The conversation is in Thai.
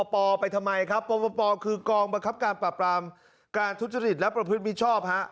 ไปทำไมครับปปคือกองบังคับการปราบรามการทุจริตและประพฤติมิชชอบฮะ